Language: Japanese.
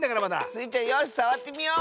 スイちゃんよしさわってみよう！